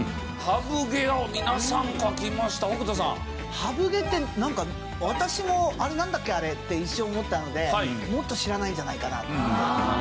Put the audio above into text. ハブ毛ってなんか私も「あれなんだっけ？あれ」って一瞬思ったのでもっと知らないんじゃないかなと思って。